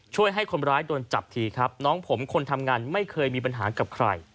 ช่วยให้คนร้ายโดนจับทีครับน้องผมคนทำงานไม่เคยมีปัญหากับใคร